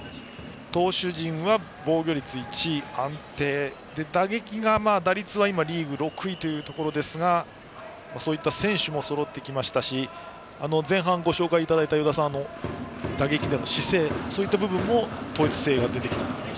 投手陣は防御率１位安定で打撃は、打率はリーグ６位というところですが選手もそろってきましたし与田さんに前半ご紹介いただいたように打撃での姿勢、そういった部分も統一性が出てきたと。